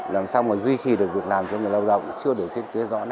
làm sao mà duy trì được việc làm cho người lao động chưa được thiết kế rõ